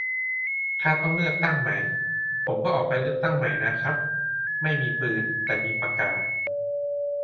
ถ้าต้องเลือกตั้งใหม่ ผมก็ออกไปเลือกใหม่นะครับ ไม่มีปืน มีแต่ปากกา